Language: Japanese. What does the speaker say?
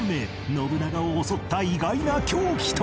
信長を襲った意外な凶器とは